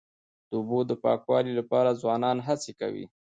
د اوبو د پاکوالي لپاره ځوانان هڅې کوي.